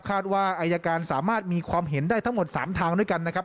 ว่าอายการสามารถมีความเห็นได้ทั้งหมด๓ทางด้วยกันนะครับ